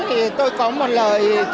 thì tôi có một lời